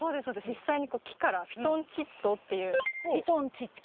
実際にこう木からフィトンチッドっていうフィトンチッド？